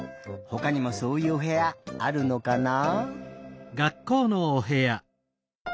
ほかにもそういうおへやあるのかな？